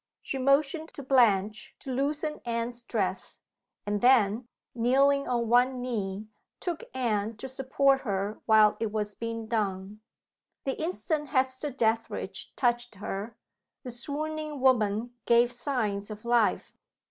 She motioned to Blanche to loosen Anne's dress, and then kneeling on one knee took Anne to support her while it was being done. The instant Hester Dethridge touched her, the swooning woman gave signs of life.